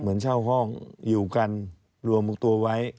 เช่าห้องอยู่กันรวมตัวไว้